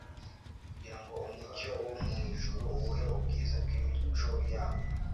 kugira ngo umucyo wo mu ijuru uwuhe ubwiza bw'imico yawo.